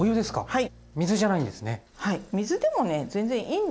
はい。